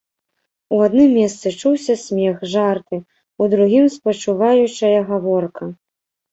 У адным месцы чуўся смех, жарты, у другім спачуваючая гаворка.